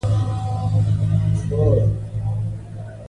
پاسپورت د خوب په خونه کې په المارۍ کې دی.